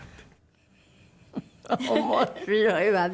面白いわね。